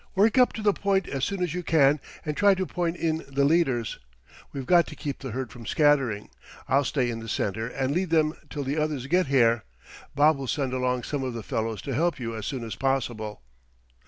Work up to the point as soon as you can and try to point in the leaders. We've got to keep the herd from scattering. I'll stay in the center and lead them till the others get here. Bob will send along some of the fellows to help you as soon as possible."